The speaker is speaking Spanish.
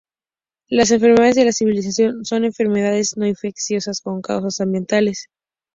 Las enfermedades de la civilización son enfermedades no infecciosas con causas ambientales.